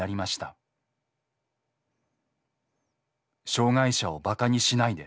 障害者を馬鹿にしないで。